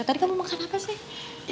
tadi kamu makan apa sih